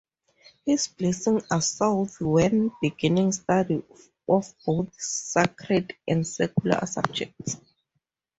His blessings are sought when beginning study of both sacred and secular subjects.